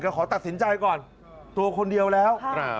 ขอตัดสินใจก่อนตัวคนเดียวแล้ว